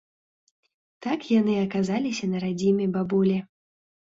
Так яны аказаліся на радзіме бабулі.